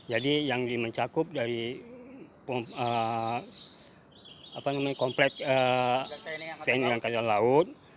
jadi yang dimencakup dari komplek tren yang terdiri dari laut